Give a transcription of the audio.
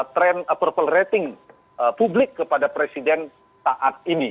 trend approval rating publik kepada presiden saat ini